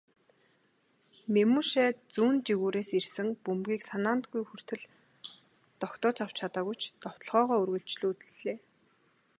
Мемушай зүүн жигүүрээс ирсэн бөмбөгийг санаандаа хүртэл тогтоож авч чадаагүй ч довтолгоогоо үргэлжлүүллээ.